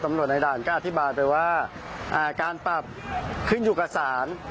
ในด่านก็อธิบายไปว่าการปรับขึ้นอยู่กับสาร